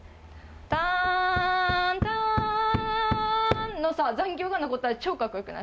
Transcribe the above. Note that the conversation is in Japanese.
ターン、ターンのさ、残響が残ったら、超かっこよくない？